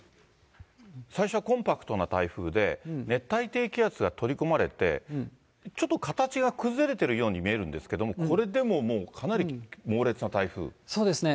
最初はコンパクトな台風で、熱帯低気圧が取り込まれて、ちょっと形が崩れているように見えるんですけど、これでももう、そうですね。